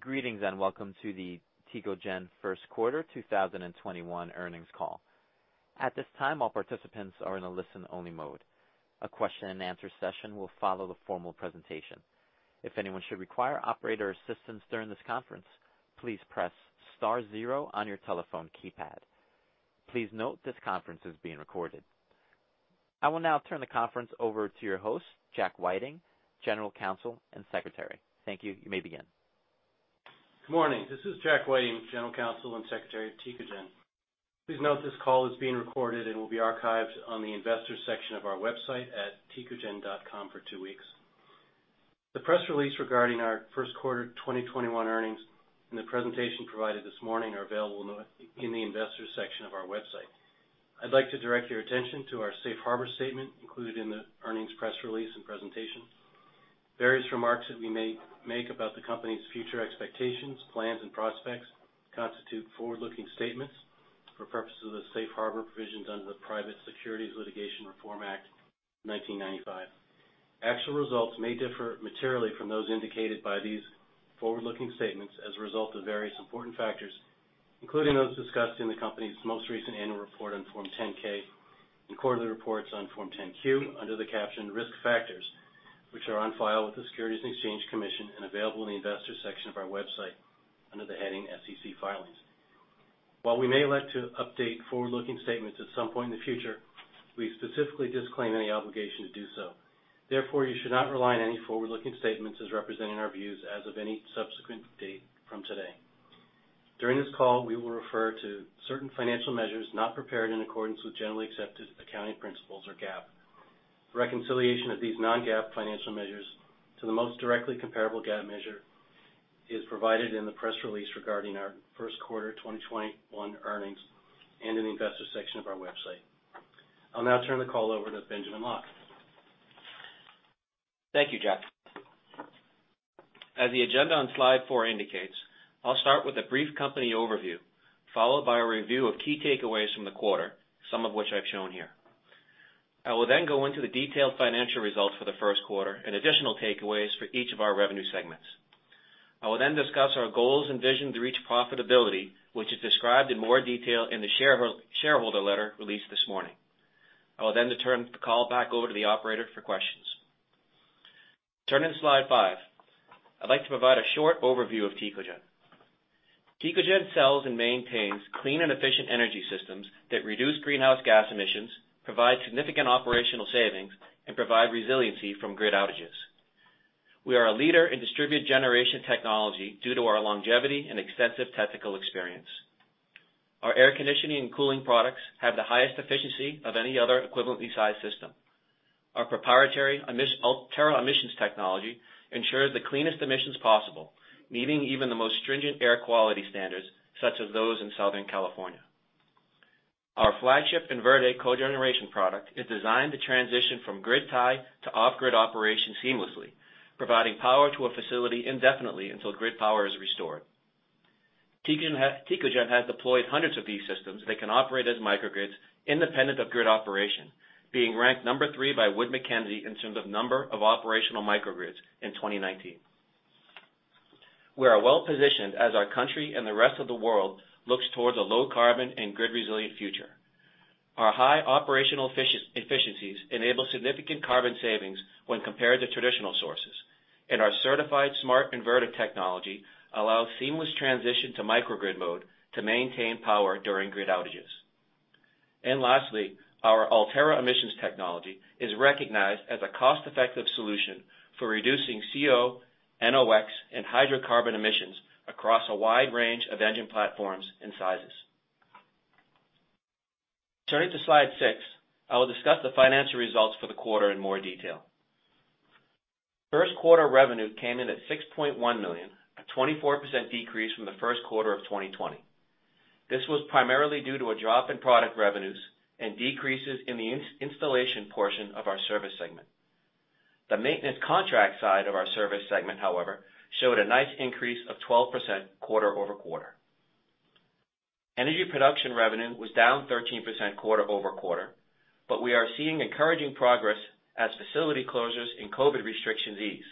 Greetings and welcome to the Tecogen first quarter 2021 earnings call. At this time, all participants are in a listen-only mode. A question and answer session will follow the formal presentation. If anyone should require operator assistance during this conference, please press star zero on your telephone keypad. Please note this conference is being recorded. I will now turn the conference over to your host, Jack Whiting, General Counsel and Secretary. Thank you. You may begin. Good morning. This is Jack Whiting, General Counsel and Secretary of Tecogen. Please note this call is being recorded and will be archived on the investors section of our website at tecogen.com for two weeks. The press release regarding our first quarter 2021 earnings and the presentation provided this morning are available in the investors section of our website. I'd like to direct your attention to our safe harbor statement included in the earnings press release and presentation. Various remarks that we may make about the company's future expectations, plans, and prospects constitute forward-looking statements for purposes of the safe harbor provisions under the Private Securities Litigation Reform Act of 1995. Actual results may differ materially from those indicated by these forward-looking statements as a result of various important factors, including those discussed in the company's most recent annual report on Form 10-K and quarterly reports on Form 10-Q under the caption Risk Factors, which are on file with the Securities and Exchange Commission and available in the investors section of our website under the heading SEC Filings. While we may elect to update forward-looking statements at some point in the future, we specifically disclaim any obligation to do so. Therefore, you should not rely on any forward-looking statements as representing our views as of any subsequent date from today. During this call, we will refer to certain financial measures not prepared in accordance with generally accepted accounting principles, or GAAP. Reconciliation of these non-GAAP financial measures to the most directly comparable GAAP measure is provided in the press release regarding our first quarter 2021 earnings and in the investor section of our website. I'll now turn the call over to Benjamin Locke. Thank you, Jack. As the agenda on slide four indicates, I'll start with a brief company overview, followed by a review of key takeaways from the quarter, some of which I've shown here. I will then go into the detailed financial results for the first quarter and additional takeaways for each of our revenue segments. I will then discuss our goals and vision to reach profitability, which is described in more detail in the shareholder letter released this morning. I will then turn the call back over to the operator for questions. Turning to slide five, I'd like to provide a short overview of Tecogen. Tecogen sells and maintains clean and efficient energy systems that reduce greenhouse gas emissions, provide significant operational savings, and provide resiliency from grid outages. We are a leader in distributed generation technology due to our longevity and extensive technical experience. Our air conditioning and cooling products have the highest efficiency of any other equivalently sized system. Our proprietary Ultera emissions technology ensures the cleanest emissions possible, meeting even the most stringent air quality standards, such as those in Southern California. Our flagship InVerde cogeneration product is designed to transition from grid tie to off-grid operation seamlessly, providing power to a facility indefinitely until grid power is restored. Tecogen has deployed hundreds of these systems that can operate as microgrids independent of grid operation, being ranked number 3 by Wood Mackenzie in terms of number of operational microgrids in 2019. We are well-positioned as our country and the rest of the world looks towards a low carbon and grid resilient future. Our high operational efficiencies enable significant carbon savings when compared to traditional sources. Our certified smart inverter technology allows seamless transition to microgrid mode to maintain power during grid outages. Lastly, our Ultera emissions technology is recognized as a cost-effective solution for reducing CO, NOx, and hydrocarbon emissions across a wide range of engine platforms and sizes. Turning to slide six, I will discuss the financial results for the quarter in more detail. First quarter revenue came in at $6.1 million, a 24% decrease from the first quarter of 2020. This was primarily due to a drop in product revenues and decreases in the installation portion of our service segment. The maintenance contract side of our service segment, however, showed a nice increase of 12% quarter-over-quarter. Energy production revenue was down 13% quarter-over-quarter, but we are seeing encouraging progress as facility closures and COVID restrictions ease.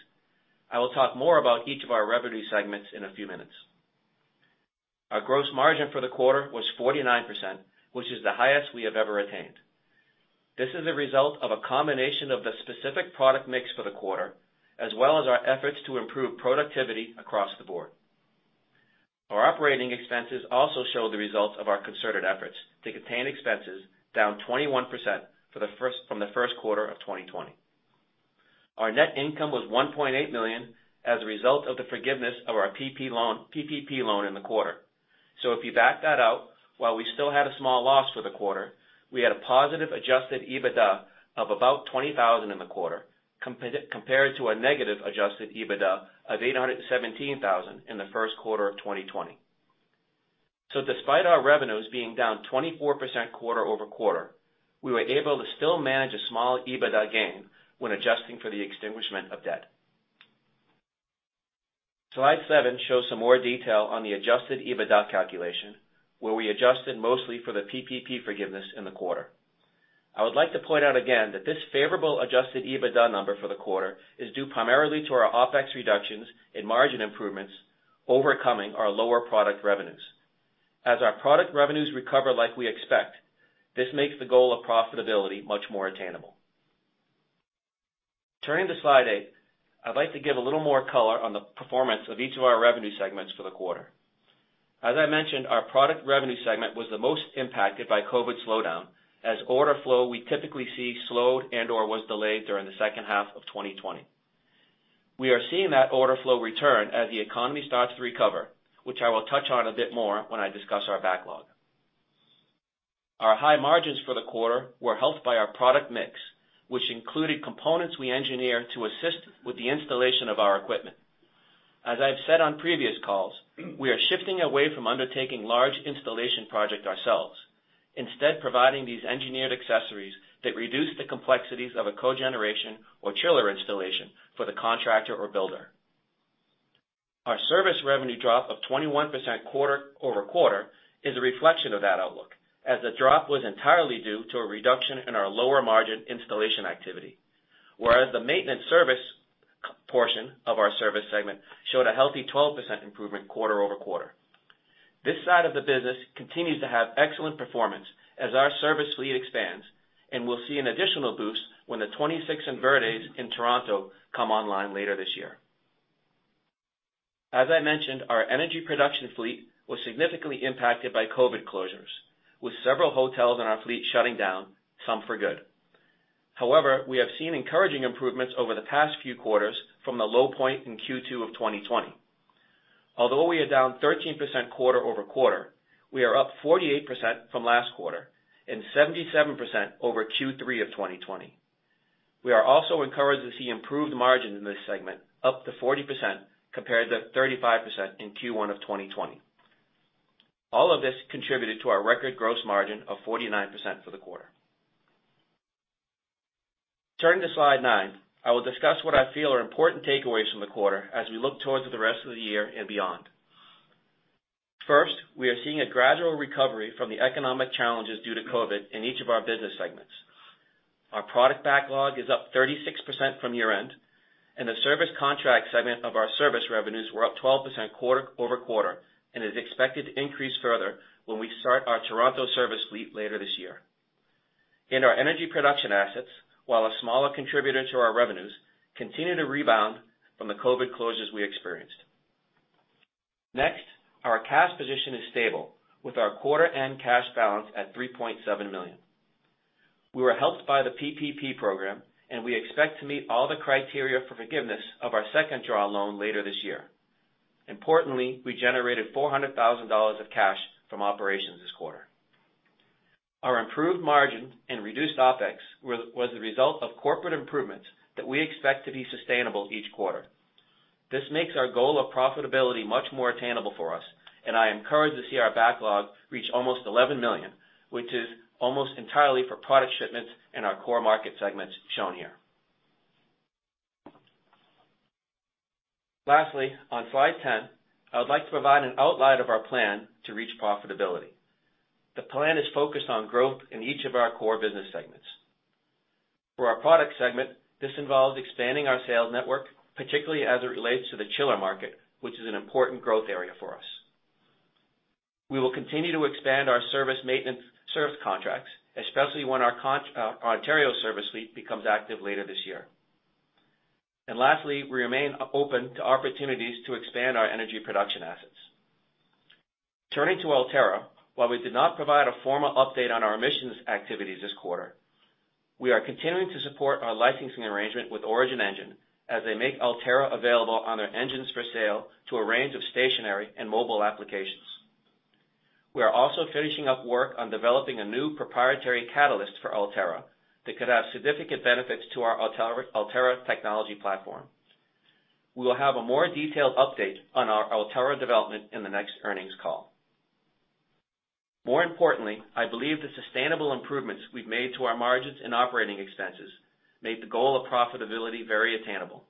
I will talk more about each of our revenue segments in a few minutes. Our gross margin for the quarter was 49%, which is the highest we have ever attained. This is a result of a combination of the specific product mix for the quarter, as well as our efforts to improve productivity across the board. Our operating expenses also show the results of our concerted efforts to contain expenses down 21% from the first quarter of 2020. Our net income was $1.8 million as a result of the forgiveness of our PPP loan in the quarter. If you back that out, while we still had a small loss for the quarter, we had a positive adjusted EBITDA of about $20,000 in the quarter, compared to a negative adjusted EBITDA of $817,000 in the first quarter of 2020. Despite our revenues being down 24% quarter-over-quarter, we were able to still manage a small EBITDA gain when adjusting for the extinguishment of debt. slide seven shows some more detail on the adjusted EBITDA calculation, where we adjusted mostly for the PPP forgiveness in the quarter. I would like to point out again that this favorable adjusted EBITDA number for the quarter is due primarily to our OpEx reductions and margin improvements overcoming our lower product revenues. As our product revenues recover like we expect, this makes the goal of profitability much more attainable. Turning to slide eight, I'd like to give a little more color on the performance of each of our revenue segments for the quarter. As I mentioned, our product revenue segment was the most impacted by COVID slowdown, as order flow we typically see slowed and/or was delayed during the second half of 2020. We are seeing that order flow return as the economy starts to recover, which I will touch on a bit more when I discuss our backlog. Our high margins for the quarter were helped by our product mix, which included components we engineer to assist with the installation of our equipment. As I've said on previous calls, we are shifting away from undertaking large installation project ourselves, instead providing these engineered accessories that reduce the complexities of a cogeneration or chiller installation for the contractor or builder. Our service revenue drop of 21% quarter-over-quarter is a reflection of that outlook, as the drop was entirely due to a reduction in our lower margin installation activity. Whereas the maintenance service portion of our service segment showed a healthy 12% improvement quarter-over-quarter. This side of the business continues to have excellent performance as our service fleet expands and will see an additional boost when the 26 InVerdes in Toronto come online later this year. As I mentioned, our energy production fleet was significantly impacted by COVID closures, with several hotels in our fleet shutting down, some for good. However, we have seen encouraging improvements over the past few quarters from the low point in Q2 of 2020. Although we are down 13% quarter-over-quarter, we are up 48% from last quarter and 77% over Q3 of 2020. We are also encouraged to see improved margin in this segment, up to 40% compared to 35% in Q1 of 2020. All of this contributed to our record gross margin of 49% for the quarter. Turning to slide nine, I will discuss what I feel are important takeaways from the quarter as we look towards the rest of the year and beyond. First, we are seeing a gradual recovery from the economic challenges due to COVID in each of our business segments. Our product backlog is up 36% from year-end, and the service contract segment of our service revenues were up 12% quarter-over-quarter and is expected to increase further when we start our Toronto service fleet later this year. In our energy production assets, while a smaller contributor to our revenues, continue to rebound from the COVID closures we experienced. Next, our cash position is stable with our quarter end cash balance at $3.7 million. We were helped by the PPP program, and we expect to meet all the criteria for forgiveness of our second draw loan later this year. Importantly, we generated $400,000 of cash from operations this quarter. Our improved margin and reduced OpEx was the result of corporate improvements that we expect to be sustainable each quarter. This makes our goal of profitability much more attainable for us, and I am encouraged to see our backlog reach almost $11 million, which is almost entirely for product shipments in our core market segments shown here. Lastly, on slide 10, I would like to provide an outline of our plan to reach profitability. The plan is focused on growth in each of our core business segments. For our product segment, this involves expanding our sales network, particularly as it relates to the chiller market, which is an important growth area for us. We will continue to expand our service maintenance service contracts, especially when our Ontario service fleet becomes active later this year. Lastly, we remain open to opportunities to expand our energy production assets. Turning to Ultera, while we did not provide a formal update on our emissions activities this quarter, we are continuing to support our licensing arrangement with Origin Engines as they make Ultera available on their engines for sale to a range of stationary and mobile applications. We are also finishing up work on developing a new proprietary catalyst for Ultera that could have significant benefits to our Ultera technology platform. We will have a more detailed update on our Ultera development in the next earnings call. More importantly, I believe the sustainable improvements we've made to our margins and operating expenses make the goal of profitability very attainable.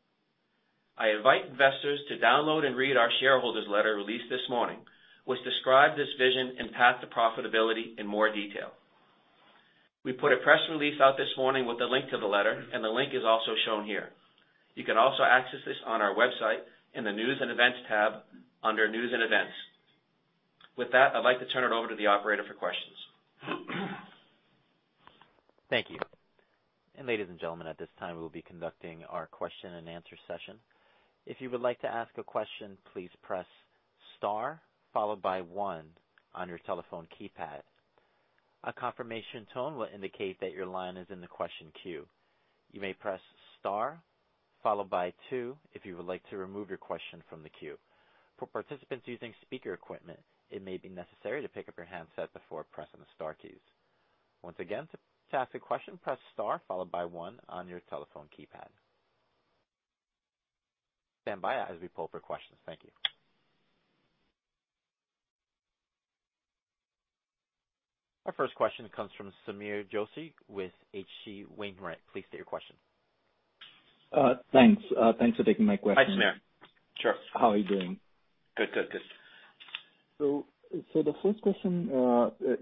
I invite investors to download and read our shareholders letter released this morning, which describe this vision and path to profitability in more detail. We put a press release out this morning with a link to the letter, the link is also shown here. You can also access this on our website in the News and Events tab under News and Events. With that, I'd like to turn it over to the operator for questions. Thank you. Ladies and gentlemen, at this time, we will be conducting our question and answer session. If you would like to ask a question, please press star followed by one on your telephone keypad. A confirmation tone will indicate that your line is in the question queue. You may press star followed by two if you would like to remove your question from the queue. For participants using speaker equipment, it may be necessary to pick up your handset before pressing the star keys. Once again, to ask a question, press star followed by one on your telephone keypad. Stand by as we pull for questions. Thank you. Our first question comes from Samir Joshi with HC Wainwright. Please state your question. Thanks for taking my question. Hi, Samir. Sure. How are you doing? Good. The first question,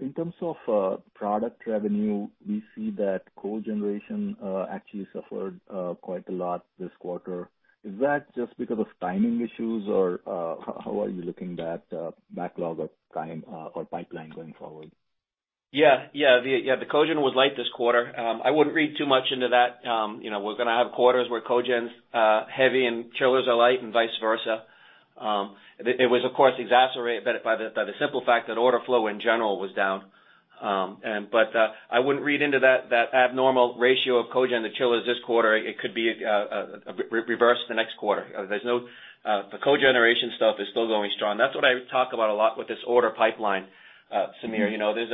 in terms of product revenue, we see that cogeneration actually suffered quite a lot this quarter. Is that just because of timing issues, or how are you looking at backlog or pipeline going forward? Yeah. The cogen was light this quarter. I wouldn't read too much into that. We're going to have quarters where cogen's heavy and chillers are light and vice versa. It was of course exacerbated by the simple fact that order flow in general was down. I wouldn't read into that abnormal ratio of cogen to chillers this quarter. It could be reversed the next quarter. The cogeneration stuff is still going strong. That's what I talk about a lot with this order pipeline, Samir. There's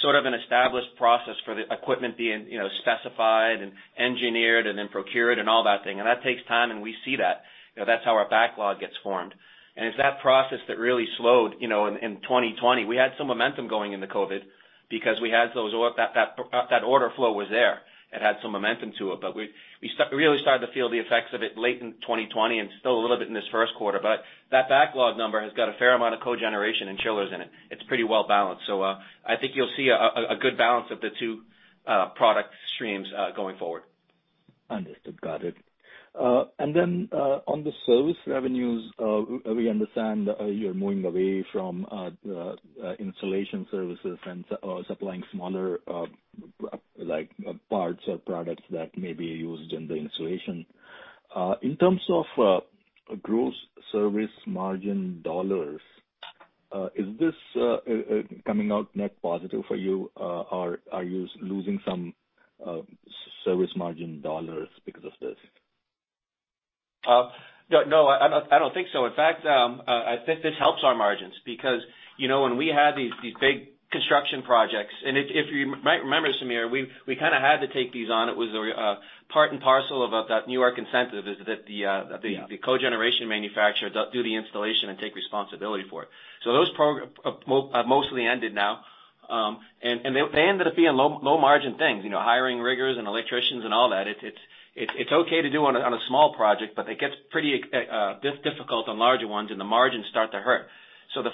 sort of an established process for the equipment being specified and engineered and then procured and all that thing, and that takes time, and we see that. That's how our backlog gets formed. It's that process that really slowed in 2020. We had some momentum going into COVID because that order flow was there. It had some momentum to it. We really started to feel the effects of it late in 2020 and still a little bit in this first quarter. That backlog number has got a fair amount of cogeneration and chillers in it. It's pretty well-balanced. I think you'll see a good balance of the two product streams going forward. Understood. Got it. Then, on the service revenues, we understand you're moving away from the installation services and supplying smaller parts or products that may be used in the installation. In terms of gross service margin dollars, is this coming out net positive for you? Are you losing some service margin dollars because of this? No, I don't think so. In fact, I think this helps our margins because when we had these big construction projects, and if you might remember, Samir, we kind of had to take these on. It was part and parcel about that newer incentive, is that the Yeah the cogeneration manufacturer do the installation and take responsibility for it. Those have mostly ended now. They ended up being low-margin things, hiring riggers and electricians and all that. It's okay to do on a small project, but it gets pretty difficult on larger ones, and the margins start to hurt. The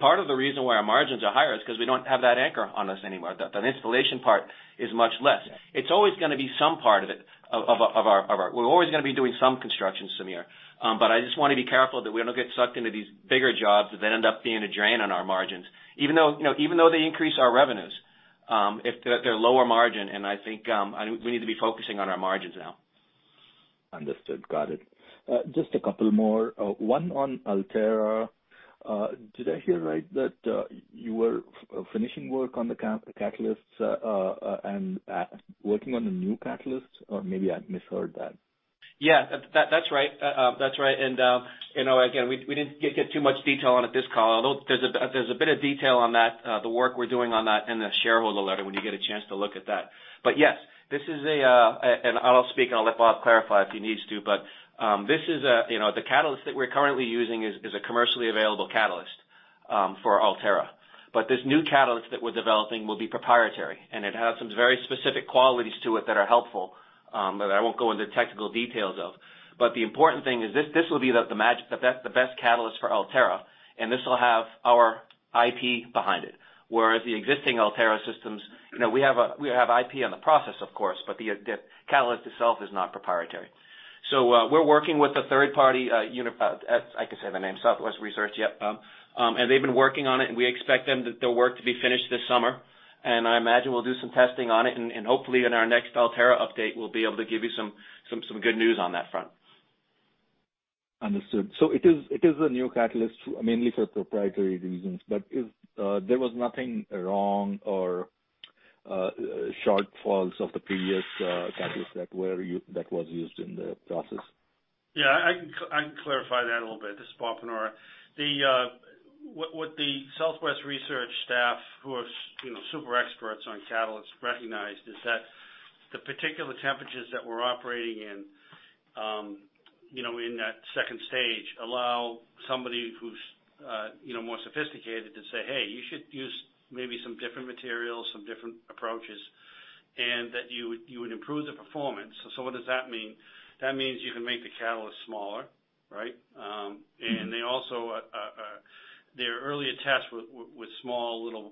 part of the reason why our margins are higher is because we don't have that anchor on us anymore. That installation part is much less. It's always gonna be some part of it. We're always gonna be doing some construction, Samir. I just want to be careful that we don't get sucked into these bigger jobs that then end up being a drain on our margins, even though they increase our revenues. If they're lower margin, and I think we need to be focusing on our margins now. Understood. Got it. Just a couple more. One on Ultera. Did I hear right that you were finishing work on the catalysts, and working on the new catalysts, or maybe I misheard that? Yeah. That's right. Again, we didn't get too much detail on it this call, although there's a bit of detail on that, the work we're doing on that in the shareholder letter when you get a chance to look at that. Yes. I'll speak, and I'll let Bob clarify if he needs to. The catalyst that we're currently using is a commercially available catalyst for Ultera. This new catalyst that we're developing will be proprietary, and it has some very specific qualities to it that are helpful, but I won't go into the technical details of. The important thing is this will be the best catalyst for Ultera, and this will have our IP behind it, whereas the existing Ultera systems, we have IP on the process, of course, but the catalyst itself is not proprietary. We're working with a third party, I can say the name, Southwest Research. Yep. They've been working on it, and we expect their work to be finished this summer. I imagine we'll do some testing on it, and hopefully in our next Ultera update, we'll be able to give you some good news on that front. Understood. It is a new catalyst mainly for proprietary reasons. There was nothing wrong or shortfalls of the previous catalyst that was used in the process. Yeah, I can clarify that a little bit. This is Robert Panora. What the Southwest Research staff, who are super experts on catalysts, recognized is that the particular temperatures that we're operating in that stage 2, allow somebody who's more sophisticated to say, "Hey, you should use maybe some different materials, some different approaches, and that you would improve the performance." What does that mean? That means you can make the catalyst smaller, right? Their earlier tests with small little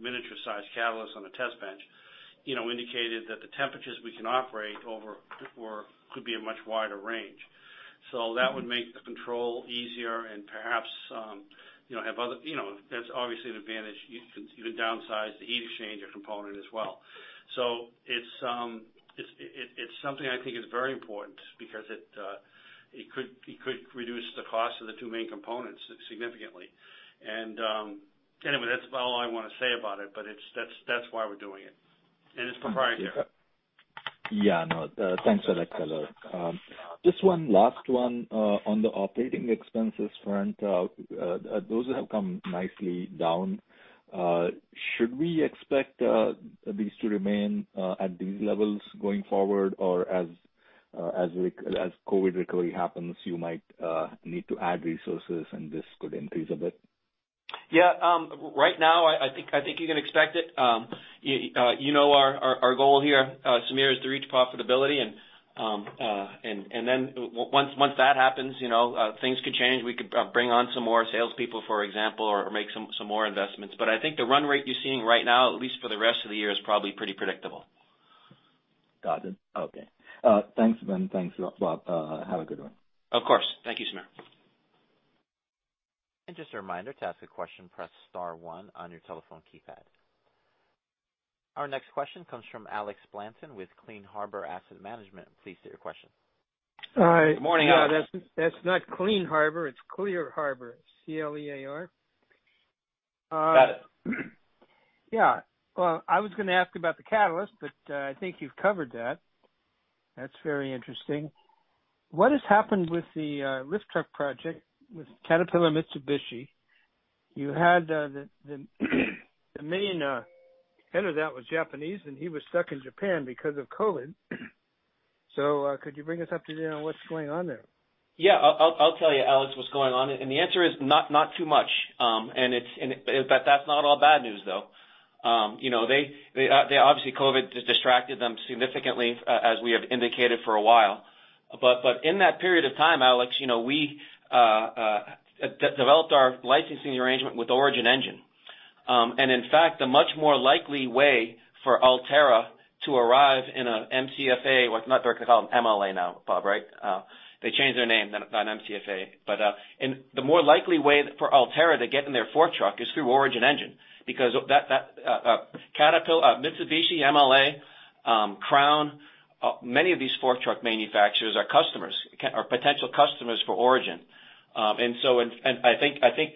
miniature-sized catalysts on a test bench indicated that the temperatures we can operate over could be a much wider range. That would make the control easier and perhaps that's obviously an advantage. You can downsize the heat exchanger component as well. It's something I think is very important because it could reduce the cost of the two main components significantly. Anyway, that's about all I want to say about it, but that's why we're doing it, and it's proprietary. Yeah. No. Thanks for that color. Just one last one. On the operating expenses front, those have come nicely down. Should we expect these to remain at these levels going forward? As COVID recovery happens, you might need to add resources, and this could increase a bit? Yeah. Right now, I think you can expect it. You know our goal here, Samir, is to reach profitability. Once that happens things could change. We could bring on some more salespeople, for example, or make some more investments. I think the run rate you're seeing right now, at least for the rest of the year, is probably pretty predictable. Got it. Okay. Thanks, Ben. Thanks, Bob. Have a good one. Of course. Thank you, Samir. Just a reminder, to ask a question, press star one on your telephone keypad. Our next question comes from Alex Blanton with Clear Harbor Asset Management. Please state your question. Hi. Morning, Alex. No, that's not Clean Harbor. It's Clear Harbor. C-L-E-A-R. Got it. Yeah. I was going to ask about the catalyst, but I think you've covered that. That's very interesting. What has happened with the lift truck project with Caterpillar Mitsubishi? You had the main head of that was Japanese, and he was stuck in Japan because of COVID. Could you bring us up to date on what's going on there? Yeah. I'll tell you, Alex, what's going on. The answer is not too much. That's not all bad news, though. Obviously, COVID has distracted them significantly, as we have indicated for a while. In that period of time, Alex, we developed our licensing arrangement with Origin Engine. In fact, a much more likely way for Ultera to arrive in an MCFA, what not, they're called MLA now, Bob, right? They changed their name, not MCFA. The more likely way for Ultera to get in their fork truck is through Origin Engine, because Mitsubishi, MLA, Crown, many of these fork truck manufacturers are potential customers for Origin. I think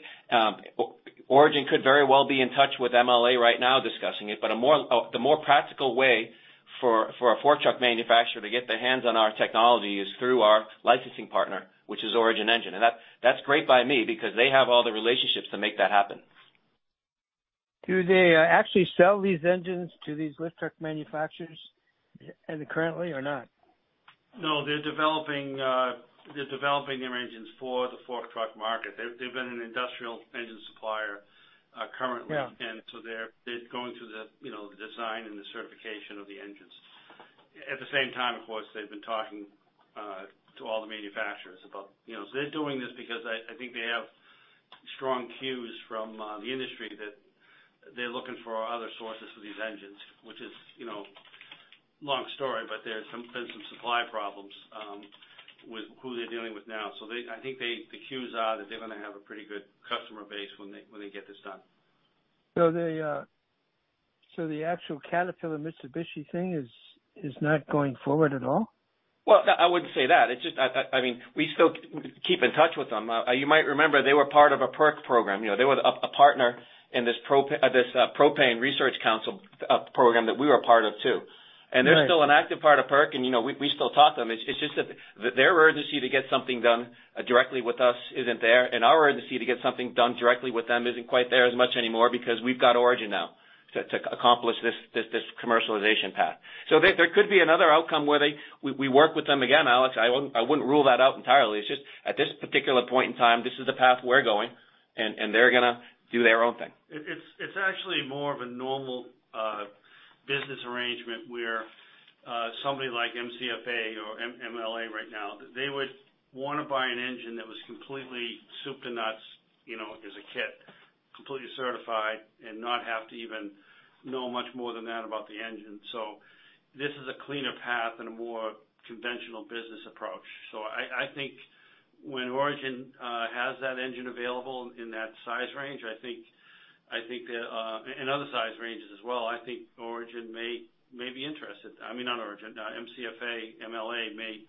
Origin could very well be in touch with MLA right now discussing it. The more practical way for a fork truck manufacturer to get their hands on our technology is through our licensing partner, which is Origin Engine. That's great by me, because they have all the relationships to make that happen. Do they actually sell these engines to these lift truck manufacturers currently or not? No, they're developing their engines for the fork truck market. They've been an industrial engine supplier currently. Yeah. They're going through the design and the certification of the engines. At the same time, of course, they've been talking to all the manufacturers about. They're doing this because I think they have strong cues from the industry that they're looking for other sources for these engines, which is a long story, but there's been some supply problems with who they're dealing with now. I think the cues are that they're going to have a pretty good customer base when they get this done. The actual Caterpillar Mitsubishi thing is not going forward at all? Well, I wouldn't say that. We still keep in touch with them. You might remember they were part of a PERC program. They were a partner in this Propane Research Council program that we were a part of too. Right. They're still an active part of PERC, and we still talk to them. It's just that their urgency to get something done directly with us isn't there, and our urgency to get something done directly with them isn't quite there as much anymore because we've got Origin now to accomplish this commercialization path. There could be another outcome where we work with them again, Alex. I wouldn't rule that out entirely. It's just at this particular point in time, this is the path we're going, and they're going to do their own thing. It's actually more of a normal business arrangement where somebody like MCFA or MLA right now, they would want to buy an engine that was completely soup to nuts as a kit, completely certified, and not have to even know much more than that about the engine. This is a cleaner path and a more conventional business approach. I think when Origin has that engine available in that size range, and other size ranges as well, I think Origin may be interested. I mean, not Origin. MCFA, MLA may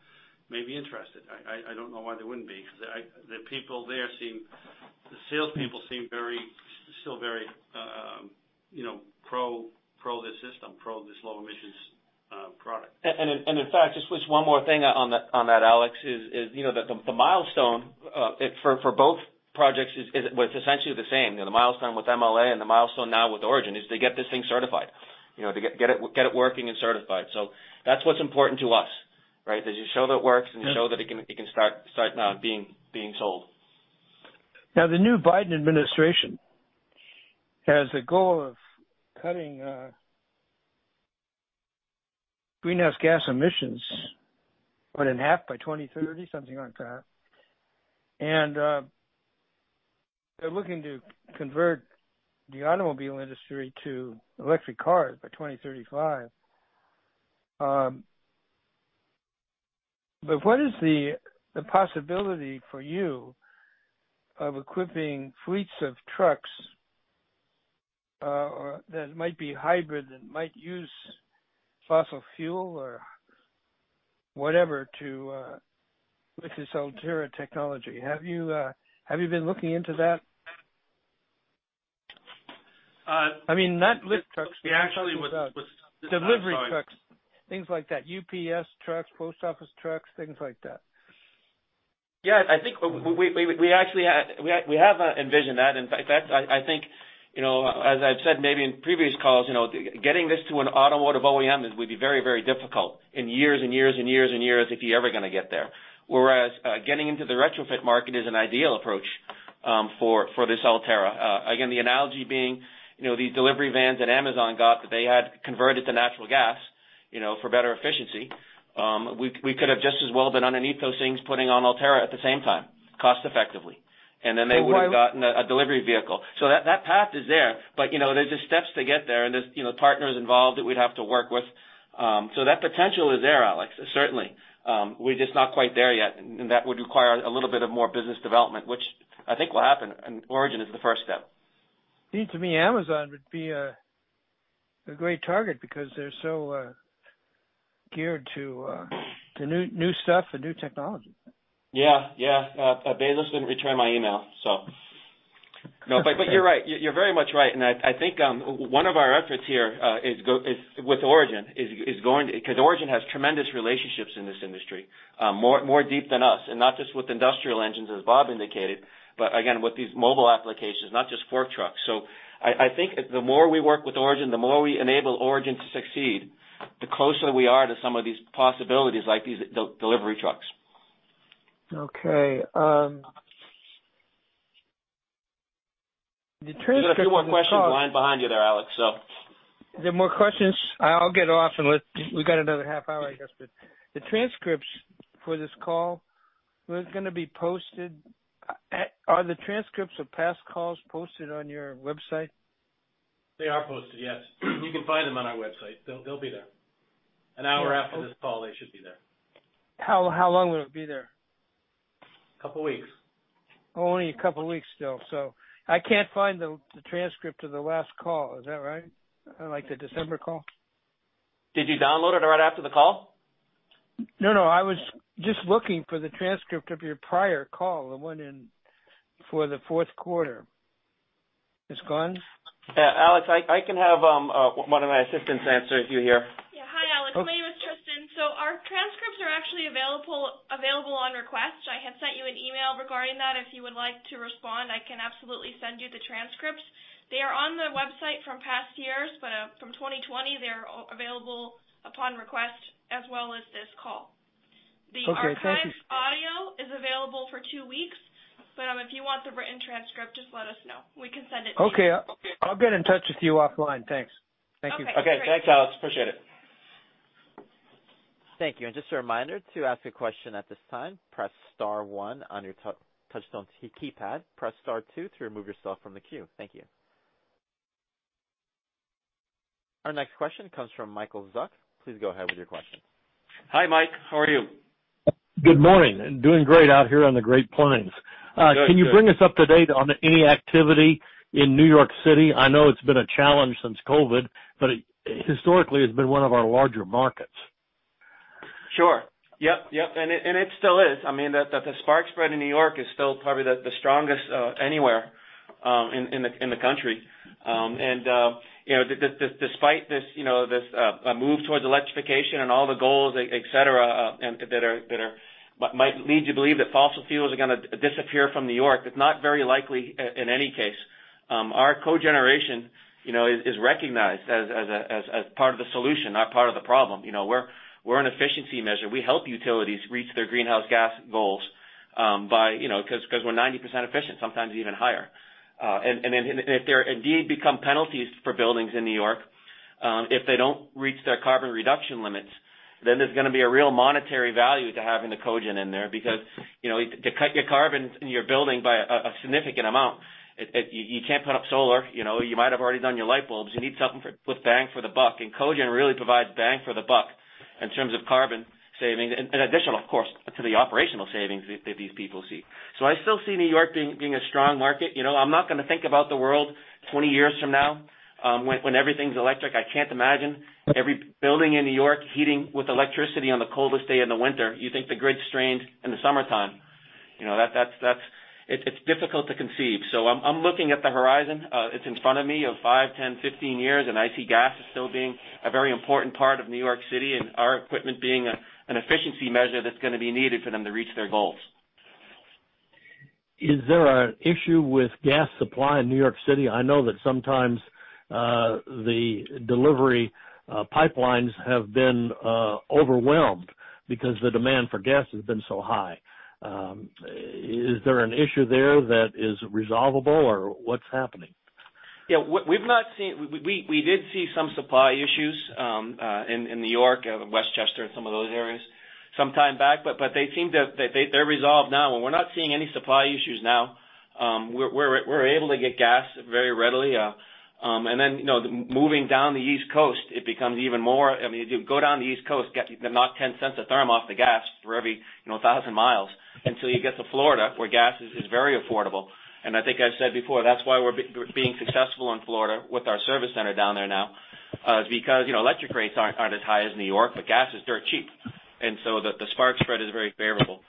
be interested. I don't know why they wouldn't be, because the salespeople seem still very pro this system, pro this low emissions product. In fact, just one more thing on that, Alex, is the milestone for both projects was essentially the same. The milestone with MLA and the milestone now with Origin is to get this thing certified. To get it working and certified. That's what's important to us, right? That you show that it works and you show that it can start being sold. The new Joe administration has a goal of cutting greenhouse gas emissions by half by 2030, something like that. They're looking to convert the automobile industry to electric cars by 2035. What is the possibility for you of equipping fleets of trucks that might be hybrid, that might use fossil fuel or whatever with this Ultera technology? Have you been looking into that? I mean, not lift trucks. We actually would. Delivery trucks. Things like that. UPS trucks, post office trucks, things like that. Yeah. We have envisioned that. In fact, I think As I've said maybe in previous calls, getting this to an automotive OEM would be very difficult in years if you're ever going to get there. Whereas getting into the retrofit market is an ideal approach for this Ultera. Again, the analogy being, these delivery vans that Amazon got that they had converted to natural gas for better efficiency. We could have just as well been underneath those things putting on Ultera at the same time, cost effectively, and then they would have gotten a delivery vehicle. That path is there, but there's just steps to get there, and there's partners involved that we'd have to work with. That potential is there, Alex, certainly. We're just not quite there yet, and that would require a little bit of more business development, which I think will happen, and Origin is the first step. Seems to me Amazon would be a great target because they're so geared to new stuff and new technology. Jeff didn't return my email, so. No, you're very much right. I think, one of our efforts here with Origin because Origin has tremendous relationships in this industry, more deep than us, and not just with industrial engines, as Bob indicated, but again, with these mobile applications, not just fork trucks. I think the more we work with Origin, the more we enable Origin to succeed, the closer we are to some of these possibilities, like these delivery trucks. Okay. The transcripts of the call. There's a few more questions lined behind you there, Alex. If there are more questions, I'll get off, and we've got another half hour, I guess. The transcripts for this call, when are they going to be posted? Are the transcripts of past calls posted on your website? They are posted, yes. You can find them on our website. They'll be there. An hour after this call, they should be there. How long will it be there? A couple of weeks. Only a couple of weeks still. I can't find the transcript of the last call. Is that right? Like the December call. Did you download it right after the call? No, I was just looking for the transcript of your prior call, the one for the fourth quarter. It's gone? Alex, I can have one of my assistants answer you here. Yeah. Hi, Alex. My name is Tristan. Our transcripts are actually available on request. I have sent you an email regarding that. If you would like to respond, I can absolutely send you the transcripts. They are on the website from past years, but from 2020, they are available upon request as well as this call. Okay, thank you. The archived audio is available for two weeks. If you want the written transcript, just let us know. We can send it to you. Okay. I'll get in touch with you offline. Thanks. Thank you. Okay, great. Okay. Thanks, Alex. Appreciate it. Thank you. Just a reminder, to ask a question at this time, press star one on your touchtone keypad. Press star two to remove yourself from the queue. Thank you. Our next question comes from Michael Zuck. Please go ahead with your question. Hi, Mike. How are you? Good morning. Doing great out here on the Great Plains. Good. Can you bring us up to date on any activity in New York City? I know it's been a challenge since COVID, but historically it's been one of our larger markets. Sure. Yep. It still is. The spark spread in New York is still probably the strongest anywhere in the country. Despite this move towards electrification and all the goals, et cetera, that might lead you to believe that fossil fuels are going to disappear from New York, it's not very likely in any case. Our cogeneration is recognized as part of the solution, not part of the problem. We're an efficiency measure. We help utilities reach their greenhouse gas goals because we're 90% efficient, sometimes even higher. If there indeed become penalties for buildings in New York, if they don't reach their carbon reduction limits, then there's going to be a real monetary value to having the cogen in there because to cut your carbon in your building by a significant amount, you can't put up solar. You might have already done your light bulbs. You need something with bang for the buck, and cogen really provides bang for the buck in terms of carbon savings. In addition, of course, to the operational savings that these people see. I still see New York being a strong market. I'm not going to think about the world 20 years from now when everything's electric. I can't imagine every building in New York heating with electricity on the coldest day in the winter. You think the grid's strained in the summertime. It's difficult to conceive. I'm looking at the horizon. It's in front of me, of five, 10, 15 years, and I see gas still being a very important part of New York City and our equipment being an efficiency measure that's going to be needed for them to reach their goals. Is there an issue with gas supply in New York City? I know that sometimes the delivery pipelines have been overwhelmed because the demand for gas has been so high. Is there an issue there that is resolvable, or what's happening? We did see some supply issues in New York, Westchester, and some of those areas sometime back, they're resolved now. We're not seeing any supply issues now. We're able to get gas very readily. Moving down the East Coast, if you go down the East Coast, knock $0.10 a therm off the gas for every 1,000 miles until you get to Florida, where gas is very affordable. I think I've said before, that's why we're being successful in Florida with our service center down there now because electric rates aren't as high as New York, gas is dirt cheap. So the spark spread is very favorable.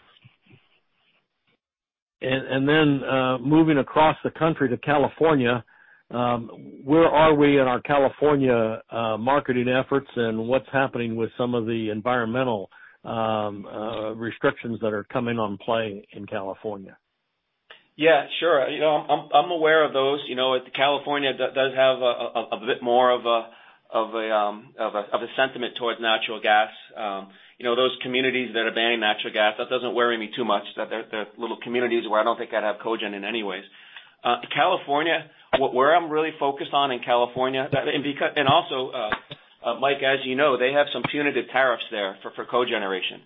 Moving across the country to California. Where are we in our California marketing efforts, and what's happening with some of the environmental restrictions that are coming into play in California? Yeah, sure. I'm aware of those. California does have a bit more of a sentiment towards natural gas. Those communities that are banning natural gas, that doesn't worry me too much. They're little communities where I don't think I'd have cogen in anyways. Where I'm really focused on in California. Also, Mike, as you know, they have some punitive tariffs there for cogeneration.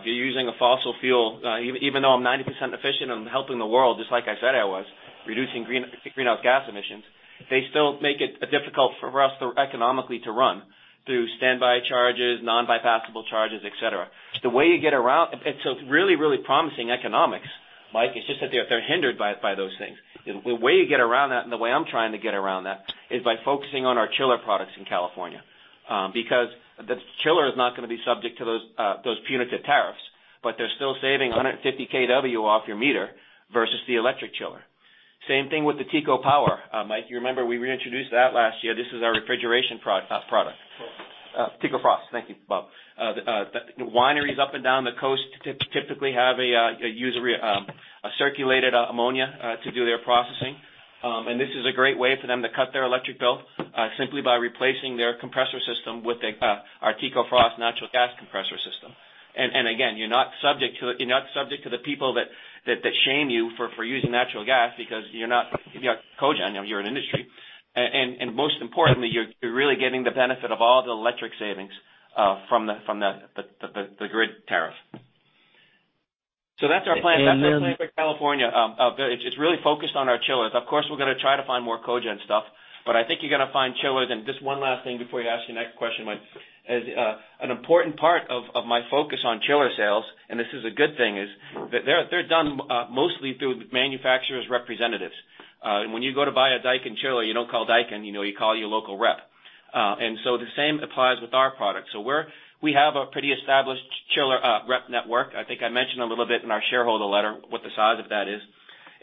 If you're using a fossil fuel, even though I'm 90% efficient and I'm helping the world, just like I said I was, reducing greenhouse gas emissions, they still make it difficult for us economically to run through standby charges, non-bypassable charges, et cetera. It's a really promising economics, Mike. It's just that they're hindered by those things. The way you get around that, and the way I'm trying to get around that, is by focusing on our chiller products in California. The chiller is not going to be subject to those punitive tariffs, but they're still saving 150 kW off your meter versus the electric chiller. Same thing with the Tecopower. Mike, you remember we reintroduced that last year. This is our refrigeration product. Teco Frost. Thank you, Bob. The wineries up and down the coast typically have a circulated ammonia to do their processing, and this is a great way for them to cut their electric bill, simply by replacing their compressor system with our Teco Frost natural gas compressor system. Again, you're not subject to the people that shame you for using natural gas because you're not cogen, now you're an industry. Most importantly, you're really getting the benefit of all the electric savings from the grid tariff. That's our plan for California. It's really focused on our chillers. Of course, we're going to try to find more cogen stuff, but I think you're going to find chillers. Just one last thing before you ask your next question, Mike. An important part of my focus on chiller sales, this is a good thing, is that they're done mostly through manufacturer's representatives. When you go to buy a Daikin chiller, you don't call Daikin, you call your local rep. The same applies with our product. We have a pretty established chiller rep network. I think I mentioned a little bit in our shareholder letter what the size of that is.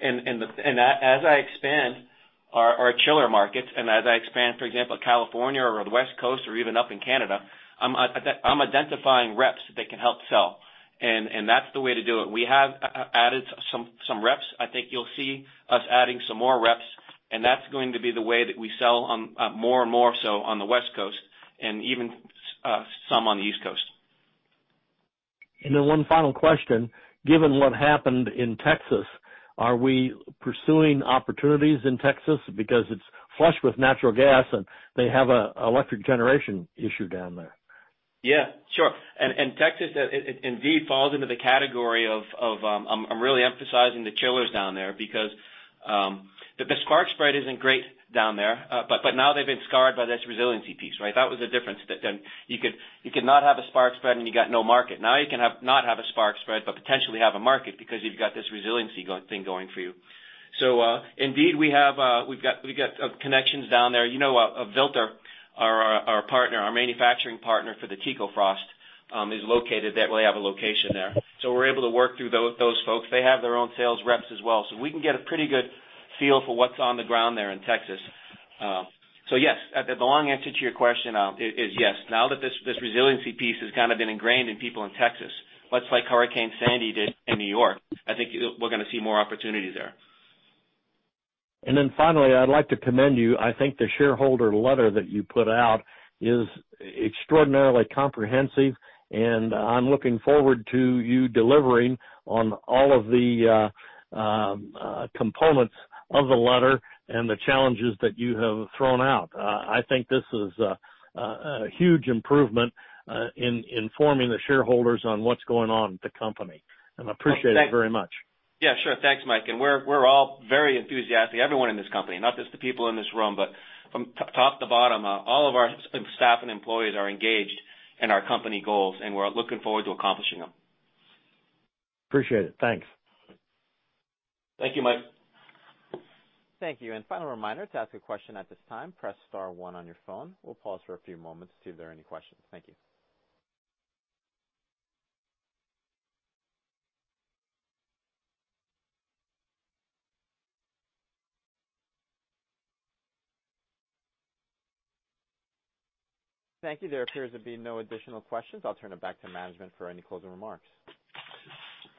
As I expand our chiller markets and as I expand, for example, California or the West Coast or even up in Canada, I'm identifying reps that can help sell. That's the way to do it. We have added some reps. I think you'll see us adding some more reps, that's going to be the way that we sell more and more so on the West Coast, even some on the East Coast. One final question. Given what happened in Texas, are we pursuing opportunities in Texas? It's flush with natural gas, they have a electric generation issue down there. Yeah. Sure. Texas indeed falls into the category of, I'm really emphasizing the chillers down there because the spark spread isn't great down there. Now they've been scarred by this resiliency piece, right? That was the difference. You could not have a spark spread, and you got no market. Now you can not have a spark spread, but potentially have a market because you've got this resiliency thing going for you. Indeed, we've got connections down there. You know, Vilter, our manufacturing partner for the TECOCHILL, they have a location there. We're able to work through those folks. They have their own sales reps as well. We can get a pretty good feel for what's on the ground there in Texas. Yes. The long answer to your question is yes. That this resiliency piece has kind of been ingrained in people in Texas, much like Hurricane Sandy did in New York, I think we're going to see more opportunity there. Finally, I'd like to commend you. I think the shareholder letter that you put out is extraordinarily comprehensive. I'm looking forward to you delivering on all of the components of the letter and the challenges that you have thrown out. I think this is a huge improvement in informing the shareholders on what's going on with the company, I appreciate it very much. Yeah, sure. Thanks, Mike. We're all very enthusiastic, everyone in this company, not just the people in this room, but from top to bottom, all of our staff and employees are engaged in our company goals, we're looking forward to accomplishing them. Appreciate it. Thanks. Thank you, Mike. Thank you. Final reminder, to ask a question at this time, press star one on your phone. We'll pause for a few moments to see if there are any questions. Thank you. Thank you. There appears to be no additional questions. I'll turn it back to management for any closing remarks.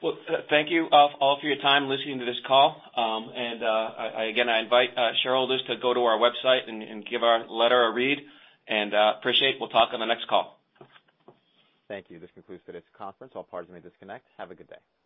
Well, thank you all for your time listening to this call. Again, I invite shareholders to go to our website and give our letter a read. We'll talk on the next call. Thank you. This concludes today's conference. All parties may disconnect. Have a good day.